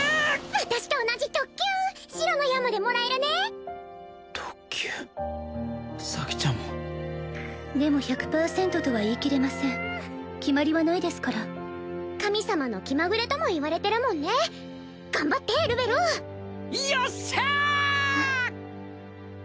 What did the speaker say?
私と同じ特級白の矢までもらえるね特級咲ちゃんもでも１００％とは言い切れません決まりはないですから神様の気まぐれとも言われてるもんね頑張ってルベルよっしゃあ！